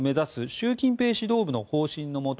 習近平指導部の方針のもと